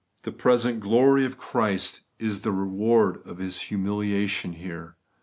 The present glory of Christ is the reward of His humiliation here.